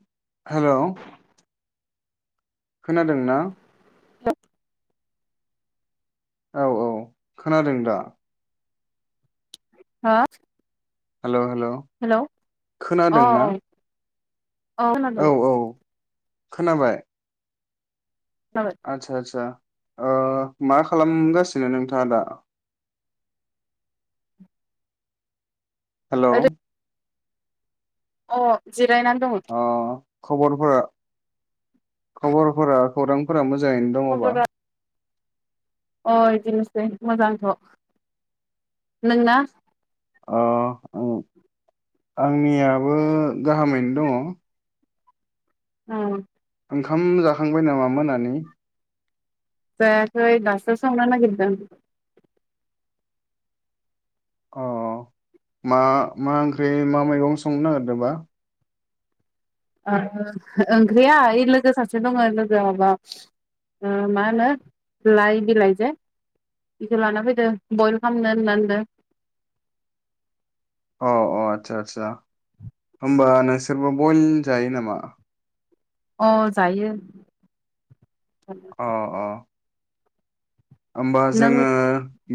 [inaudible] Hello खोनादों ना? [inaudible] औ औ खोनादों दा? हा? हेलौ हेलौ औ खोनादों ना? औ खोनादों। खोनाबाय? खोनाबाय आतसा आतसा। ओ मा खालामगासिनो नोंथाङा दा? हेलौ अ जिरायनानै दङो। अ खबरफोरा खबरफोरा खौरांफोरा मोज जाङैनो दङबा? खबरा अ इदिनोसै मोजांथ'। नोंना? अ ओ आंनियाबो गाहामैनो दङ। आ ओंखाम जाखांबाय नामा मोनानि? जायाखै दासो संनो नागिरदों। अ मा मा ओंख्रि मा मैगं संनो नागिरदोंबा? ओ ओंख्रिया ओइ लोगो सासे दङ लोगोआ माबा ओ मा होनो लाइ बिलाइ जे बेखो लाना फैदो बयेल खालामनो होननानो। अ अ आतसा आतसा। होमबा नोंसोरबो बयेल जायो नामा? अ जायो। अ अ। ओमबा नों जोङो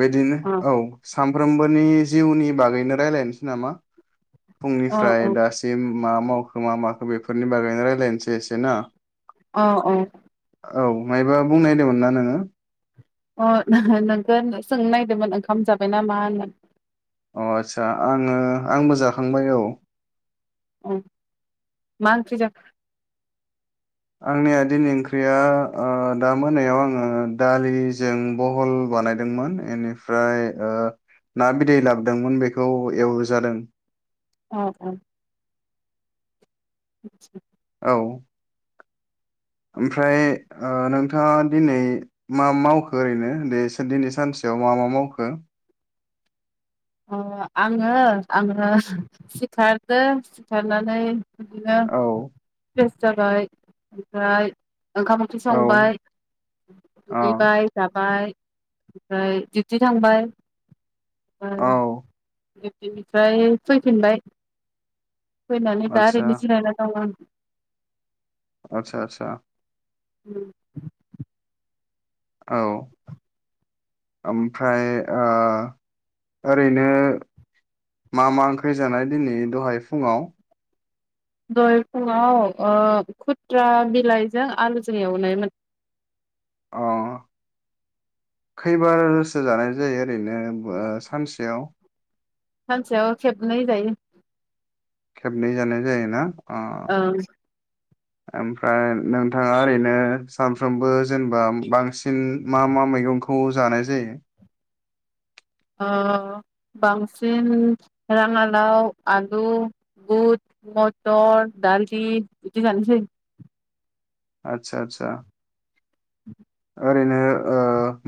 बेदिनो अ औ। सामफ्रोमबोनि जिउनि बागैनो रायलायनसै नामा! अ फुंनिफ्राय अ दासिम मा मावखो मा माखो बेफोरनि बागैनो रायलानसै एसे ना। अ अ औ मायबा बुंनायदोमोन ना नोङो अ नो नोंखोन सोंनो नायदोंमोन ओंखाम जाबाय ना मा होननानै? अ आदसा आङो आंबो जाखांबाय औ। औ मा ओंख्रि जाख आंनि आ दिनि ओंख्रिया ओ दा मोनायाव आङो दालिजों बहल बानायदोंमोन एनिफ्राय ओ ना बिदै लाबोदोंमोन बेखौ एवजादों। अ अ [inaudible] औ। ओमफ्राय ओ नोंथाङा दिनै मा मावखो ओरैनो दे एसे दिनै सानसेयाव मा मा मावखो? अ आङो आङो सिखारदो सिखारनानै बिदिनो औ फ्रेस जाबाय ओमफ्राय ओंखाम ओंख्रि औ संबाय अ दुगैबाय जाबाय ओमफ्राय दिउथि थांबाय औ। दिउथिनिफ्राय फैफिनबाय फैनानै दा आदसा ओरैनो जिरायना दं आं आतसा आतसा [unintelligible] औ ओमफ्राय ओ ओरैनो मा मा ओंख्रि जानाय दिनै दहाय फुङाव दहाय फुङाव ओ खुथ्रा बिलाइजों आलुजों एवनायमोन। अ खैबारसो जानाय जायो ओरैनो ओ सानसेयाव? सानसेयाव खेबनै जायो। खेबनै जानाय जायोना अ ओं। ओमफ्राय नोंथाङा ओरैनो सानफ्रोमबो जेनेबा बांसिन मा मा मैगंखौ जानाय जाय? ओ बांसिन राङालाव, आलु, बुट, मटर, दालि बिदि जानाय जायो। आतसा आतसा। [inaudible] ओरैनो ओ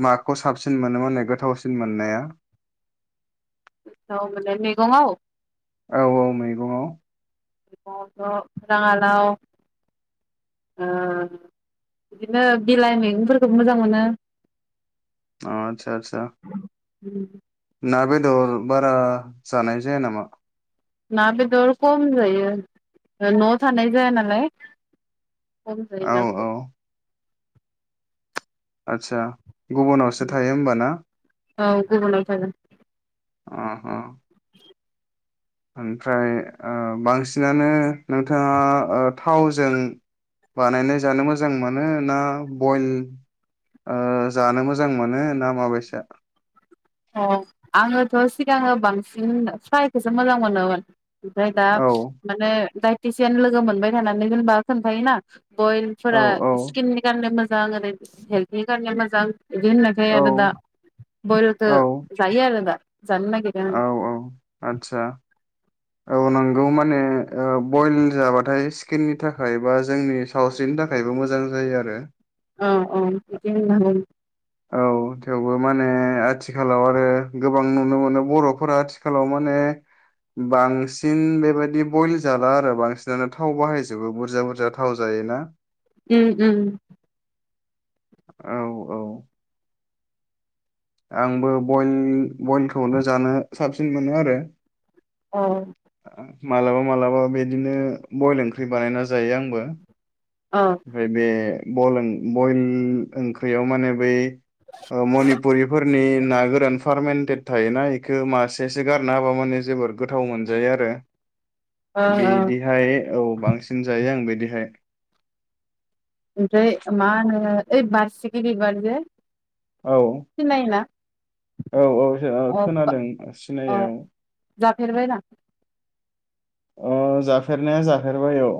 माखौ साबसिन मोनो माने गोथावसिन मोननाया? लाय मैगङाव औ औ मैगङाव। मैगंथ' राङालाव ओ बिदिनो बिलाइ मैगंफोरखौबो मोजां मोनो। अ आतसा आतसा। उम। ना बेदर बारा जानाय जाया नामा? ना बेदर खम जायो न'आव थानाय जाया नालाय। खम औ जायो औ । आतसा। गुबुनावसो थायो होमबा ना। औ गुबुनाव थागोन। अ अ ओमफ्राय ओक्षबांसिनानो नोंथाङा ओ थावजों बानायनाय जानो मोजां मोनो ना बइल ओ जानो मोजां मोनो ना माबायसा अ आङोथ' सिगाङो बांसिन फ्रायखौसो मोजां मोनोमोन ओमफ्राय दा औ माने दडाइटिसियान लोगो मोनबाय थानानै जेनबा खोन्थायोना औ बयलफोरा स्किननि कारेननो मोजां मोजां आरो हेलथनि कारने मोजां इदि होननायखाय औ दा बयेल खो औ जायो आरो [unintelligible] जानो नागिरा औ औ आदसा औ नंगौ माने ओ बइल जाबाथाय स्किननि थाखाय बा जोंनि सावस्रिनि थाखायबो मोजां जायो आरो। औ औ [unintelligible] औ थेवबो माने आथिखालाव आरो गोबां नुनो मोनो बर'फोरा आथिखालाव माने बांसिन बेबायदि बयल जाला आरो बांसिनानो थाव बाहायजोबो बुरजा बुरजा थाव जायोना। उम उम औ औ आंबो बयल बयलखौनो जानो साबसिन मोनो आरो। औ मालाबा मालाबा बिदिनो बयल ओंख्रि बानायना जायो आंबो। औ ओ बेफ्राय बे बयल ओंख्रियाव माने बै ओ मनिपुरिफोरनि ना गोरान फारमेन्टेट थायोना एखौ मासेसो गारनो हाबा माने जोबोर गोथाव मोनजायो आरो। ओ बिदिहाय औ बांसिन जायो आं बिदि। बेहाय ओमफ्राय मा होनो। ओइ बारसिकि बिबार जे औ सिनायोना औ औ स अ खोनादों अ सिनायो जाफेरबायना औ औ जाफेरनाया जाफेरबाय औ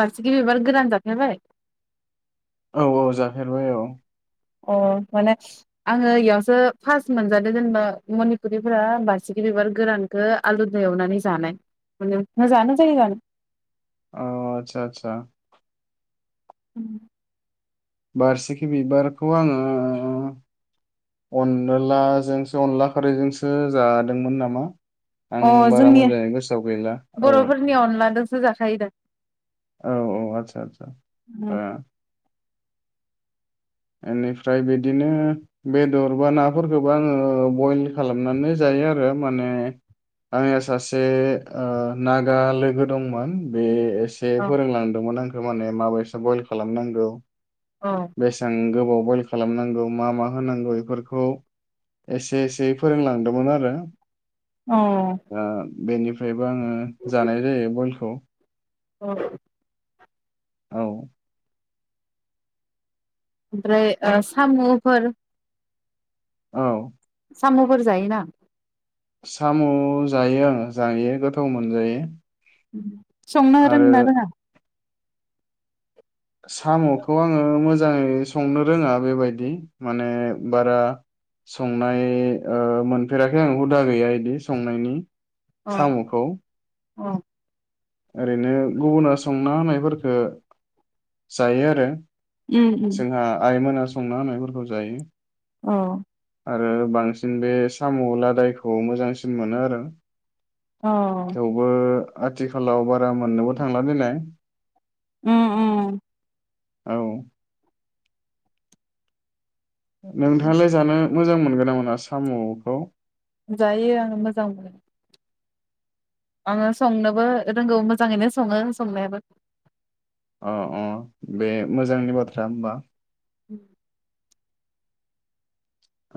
बारसिखि बिबार गोरान जाफेरबाय औ औ जाफेरबाय औ अ माने आङो एयावसो फार्स्ट मोनजादो जेनेबा मनिपुरिफोरा बारसिखि बिबार गोरानखौ आलु दो एवनानै जानाय माने मोजानो जायो जानो। अ आतसा आतसा उम बारसिखि बिबारखौ आङो अनलाजोंसो अनला खारैजोंसो जादोंमोन नामा? आं अ बारा जोंनि मोजाङै गोसोआव गैला औ। बर'फोरनि अनलाजोंसो जाखायो दा। औ औ आतसा आतसा ओनिफ्राय बिदिनो बेदर बा नाफोरखौबो आङो बइल खालामनानै जायो आरो माने आंना सासे ओ नागा लोगो दंमोन बे एसे औ फोरोंलांदोंमोन आं बे माने माबायसा बयल खालामनांगौ? औ बेसेबां गोबाव बयल खालामनांगौ मा मा होनांगौ एफोरखौ एसे एसेै फोरोंलांदोंमोन आरो औ दा बेनिफ्रायबो आङो जानाय जायो बयल खौ औ औ ओमफ्राय आ साम'फोर औ साम'फोर जायोना साम' जायो आङो जायो गोथाव मोनजायो । उम संनो रोङो ना रोङा? साम'खौ आङो मोजाङै संनो रोङा बेबायदि माने बारा संनाय ओ मोनफेराखै आं हुदा गैया इदि संनायनि । साम'खौ अ ओरैनो गुबुना संना होनायफोरखौ जायो आरो उम जोंहा आइमोना संना होनायफोरखौ जायो औ आरो बांसिन बे साम' लादायखौ मोजांसिन मोनो आरो थेवबो आथिखालाव बारा मोननोबो थांला नालाय उम उम औ नोंथाङालाय जानो मोजां मोनगोन ना मोना साम'खौ? जायो आं मोजां मोनो । आङो संनोबो रोंगौ मोजाङैनो सङो संनायाबो । अ अ बे मोजांनि बाथ्रा होमबा । उम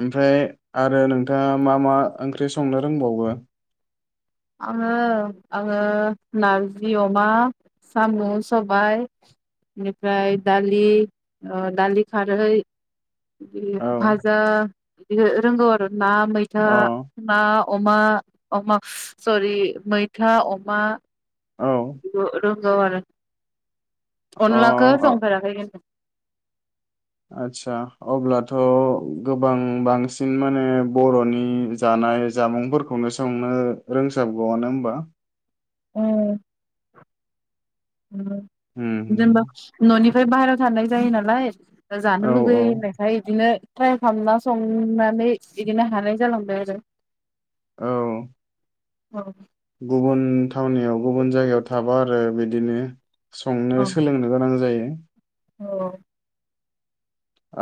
ओमफ्राय आरो नोंथाङा मा मा ओंख्रि संनो रोंबावो? आङो आङो नारजि अमा, साम' सबाय बेनिफ्राय दालि ओ दालि खारै । बि औ भाजा बिदि रोंगौ आरो ना मैथा अ ना अमा अमा सरि मैथा अमा औ रोंगौ आरो अ अनलाखौ अ संफेराखै होनो आतसा अब्लाथ' गोबां बांसिन माने बर'नि जानाय जामुंफोरखौनो संनो रोंसाबगौआनो होमबा औ उम जेनेबा न'नि ओमफ्राय बाहेरायाव थांनाय जायो नालाय औ जानो औ लुगैयो होननायखाय बिदिनो ट्राइ खालामना संनानै बिदिनो हानाय जालांबाय आरो औ औ गुबुन थावनियाव गुबुन जायगायाव थाबा आरो बिदिनो संनो सोलोंनो गोनां जायो औ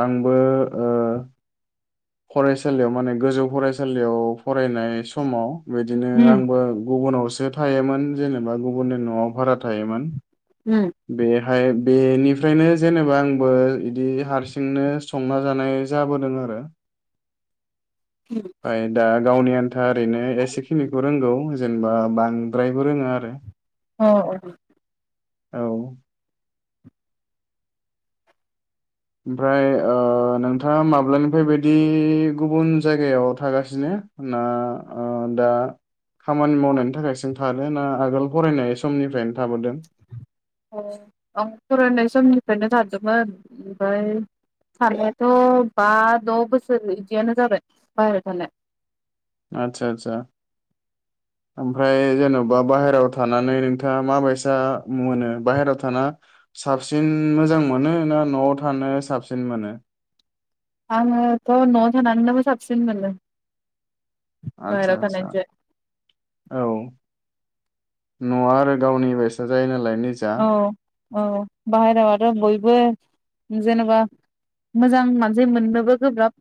आंबो फरायसालियाव माने गोजौ फरायसालियाव फरायनाय समाव बिदिनो उम आंबो गुबुनाव सो थायोमोन जेनेबा गुबुननि न'आव भारा थायोमोन उम बे हाय बेनिफ्रायनो जेनेबा आंबो इदि हारसिंनो संना जानाय जाबोदों आरो फाय दा गावनि आन्था ओरैनो एसेखिनिखौ रोंगौ जेनेबा बांद्रायबो रोङा आरो औ औ औ ओमफ्राय ओ नोंथाङा माब्लानिफ्राय बिदि गुबुन जायगायाव थागासिनो ना ओ दा खामानि मावनायनि थाखायसिम थादों ना आगोल फरायनाय समनिफ्रायनो थाबोदों औ आं फरायनाय समनिफ्रायनो थादोंमोन ओमफ्राय थानायाथ' बा द' बोसोर बिदियानो जाबाय बाहेरायाव थानाया आदसा आदसा ओमफ्राय जेन'बा बाहेरायाव थानानै नोंथाङा माबायसा मोनो बाहेरायाव थाना साबसिन मोजां मोनो ना न'आव थानो साबसिन मोनो आङोथ' न'आव थानानैनो साबसिन मोनो आतसा बाहेरायाव आतसा थानायनिफ्राय औ न'आ आरो गावनि बायसा जायो नालाय निजा औ औ बाहेरायाव आरो बयबो जेनेबा मोजां मानसि मोननोबो गोब्राब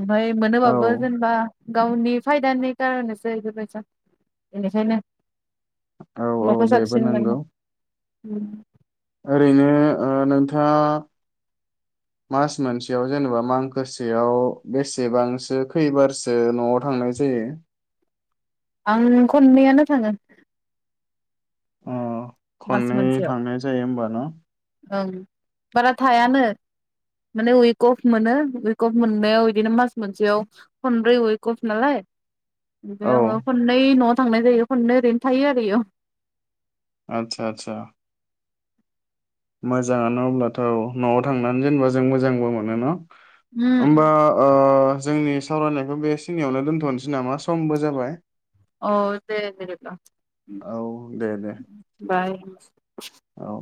ओमफाय औ मोनोब्लाबो जेनेबा गावनि फायदानि कारननैसो बेफोर बायसा बेनिखायनो औ औ बेबो नंगौ उम ओरैनो ओ नोंथाङा मास मोनसेयाव जेनेबा मांखोसेयाव बेसेबांसो खैबारसो न'आव थांनाय जायो आं खननैयानो थाङो अ मास खननै मोनसेयाव थांनाय जायो होमबा न ओं बारा थायानो माने उइक अफ मोनो उइक अफ मोननायाव बिदिनो मास मोनसेयाव खनब्रै उइक अफ नालाय ओमफाय औ आङो खननै न'आव थांनाय जायो खननै ओरैनो थायो आरो इयाव आतसा आतसा मोजाङानो अब्लाथ' न'आव थांनानै जेनबा जों मोजांबो मोनो उम होमबा ओ जोंनि सावरायनायखौ बे सिनियावनो दोन्थ'नोसै नामा समबो जाबाय अ दे दे बा औ दे दे बाय औ